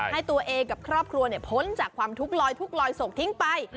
ให้ตัวเองกับครอบครัวพ้นจากความทุกข์ลอยทุกข์ลอยศพทิ้งไป